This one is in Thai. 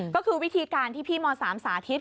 ก็คือวิธีการที่พี่ม๓สาธิต